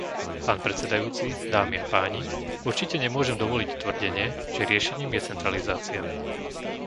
Pán predsedajúci, dámy a páni, určite nemôžem dovoliť tvrdenie, že riešením je centralizácia.